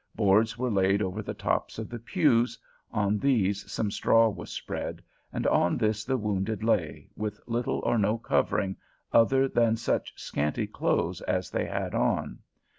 Boards were laid over the tops of the pews, on these some straw was spread, and on this the wounded lay, with little or no covering other than such scanty clothes as they had on.